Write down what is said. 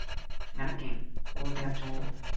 奈良県王寺町